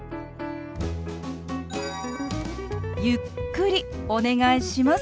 ゆっくりお願いします。